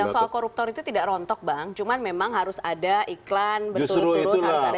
soal koruptor itu tidak rontok bang cuman memang harus ada iklan berturut turut harus ada